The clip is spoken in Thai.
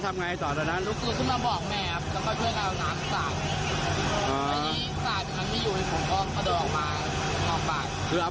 มีความรู้สึกว่าเกิดอะไรขึ้น